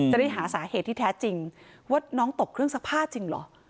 จะได้หาสาเหตุที่แท้จริงว่าน้องตกเครื่องซักผ้าจริงเหรอ